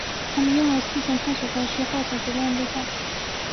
他们用了四天探索该区后才决定安顿下来。